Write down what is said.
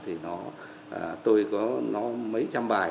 thì nó tôi có nó mấy trăm bài